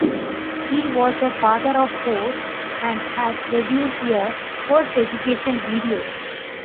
He was a father of four, and had produced a first education video.